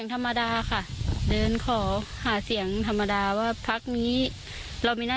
หาเสียงธรรมดาค่ะเดินขอหาเสียงธรรมดาว่า